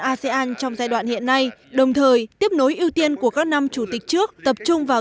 asean trong giai đoạn hiện nay đồng thời tiếp nối ưu tiên của các năm chủ tịch trước tập trung vào